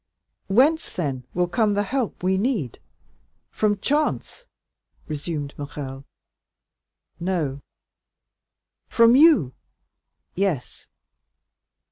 "Whence then will come the help we need—from chance?" resumed Morrel. "No." "From you?" "Yes."